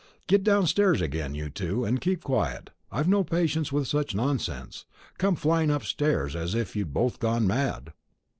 Get downstairs again, you two, and keep quiet. I've no patience with such nonsense; coming flying upstairs as if you'd both gone mad."